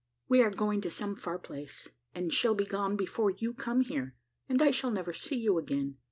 We are going to some far place, and shall be gone before you come here, and I shall never see you again.